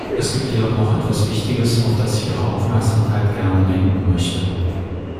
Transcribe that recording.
Es gibt jedoch noch etwas Wichtiges, auf das ich Ihre Aufmerksamkeit gerne lenken möchte.